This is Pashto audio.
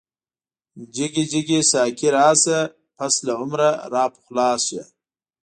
جگی جگی ساقی راشه، پس له عمره را پخلاشه